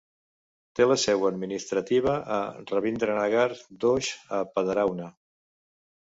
Té la seu administrativa a Ravindra Nagar Dhoos a Padarauna.